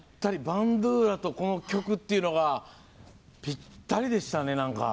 バンドゥーラとこの曲っていうのがぴったりでしたね。